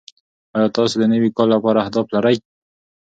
ایا تاسو د نوي کال لپاره اهداف لرئ؟